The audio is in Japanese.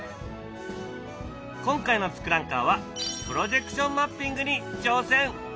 今回の「ツクランカー」は「プロジェクションマッピング」に挑戦！